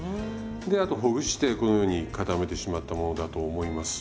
であとほぐしてこのように固めてしまったものだと思います。